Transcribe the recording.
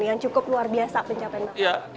yang cukup luar biasa pencapaian bapak